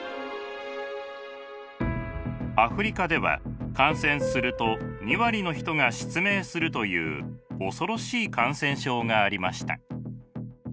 アフリカでは感染すると２割の人が失明するという恐ろしい感染症がありました。